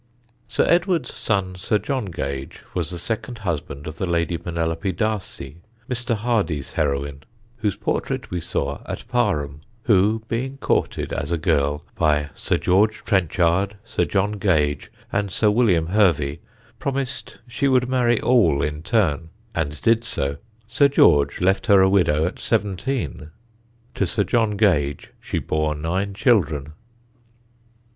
Sir Edward's son, Sir John Gage, was the second husband of the Lady Penelope D'Arcy, Mr. Hardy's heroine, whose portrait we saw at Parham: who, being courted as a girl by Sir George Trenchard, Sir John Gage, and Sir William Hervey, promised she would marry all in turn, and did so. Sir George left her a widow at seventeen; to Sir John Gage she bore nine children.